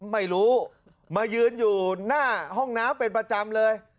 ไม่รู้มายืนอยู่หน้าห้องน้ำเป็นประจำเลย